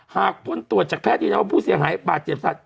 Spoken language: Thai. พ้นตรวจจากแพทย์ยืนยันว่าผู้เสียหายบาดเจ็บสัตว